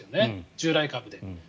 従来株で。